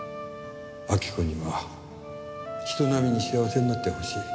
明子には人並みに幸せになってほしい。